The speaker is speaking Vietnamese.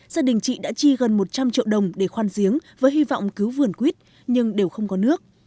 gia đình chị đã chi gần một trăm linh triệu đồng để khoan giếng với hy vọng cứu vườn quyết nhưng đều không có nước